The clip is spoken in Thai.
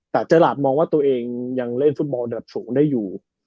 แต่เจ้าหัสมองว่าตัวเองยังเล่นฟุตบอลระดับสูงได้อยู่